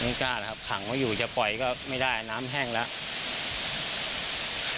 กล้าแล้วครับขังไว้อยู่จะปล่อยก็ไม่ได้น้ำแห้งแล้ว